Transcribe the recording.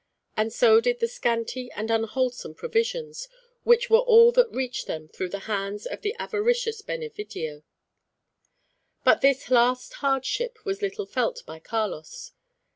And so did the scanty and unwholesome provisions, which were all that reached them through the hands of the avaricious Benevidio. But this last hardship was little felt by Carlos.